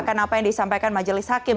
karena apa yang disampaikan majelis hakim